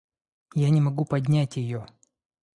Я не могу поднять ее...